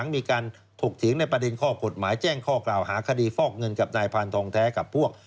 มีการถกเถียงในประเด็นข้อกฎหมายแจ้งข้อกล่าวหาคดีฟอกเงินกับนายพานทองแท้กับพวก